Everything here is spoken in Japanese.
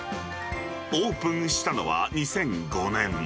オープンしたのは２００５年。